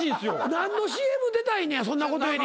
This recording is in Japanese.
何のＣＭ出たいねやそんなことより。